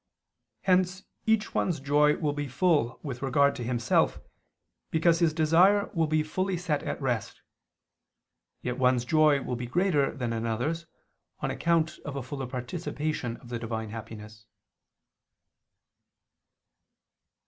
Hence each one's joy will be full with regard to himself, because his desire will be fully set at rest; yet one's joy will be greater than another's, on account of a fuller participation of the Divine happiness.